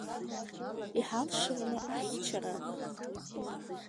Иҳалшарыма ахьчара?!